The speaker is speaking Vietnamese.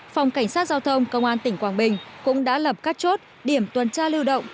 phòng cảnh sát giao thông công an tỉnh quảng bình cũng đã lập các chốt điểm tuần tra lưu động